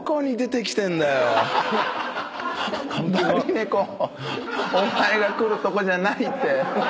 バリネコお前が来るとこじゃないって。